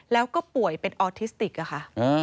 แล้วก็ป่วยเป็นออทิสติกอะค่ะ